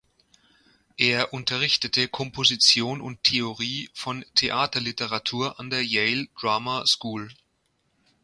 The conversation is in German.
Er unterrichtete Komposition und Theorie von Theaterliteratur an der Yale Drama School.